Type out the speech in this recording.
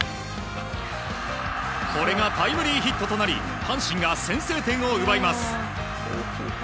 これがタイムリーヒットとなり阪神が先制点を奪います。